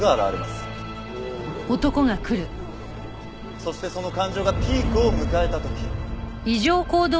そしてその感情がピークを迎えた時。